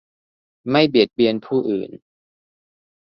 ไม่เบียดเบียนผู้อื่น